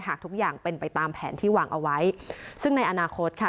หากทุกอย่างเป็นไปตามแผนที่วางเอาไว้ซึ่งในอนาคตค่ะ